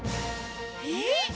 えっ？